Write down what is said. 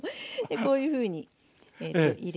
こういうふうに入れてですね